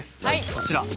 こちら。